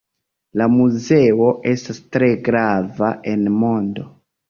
La muzeo estas tre grava en mondo.